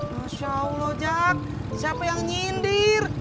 masya allah jak siapa yang nyindir